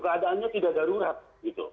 keadaannya tidak darurat gitu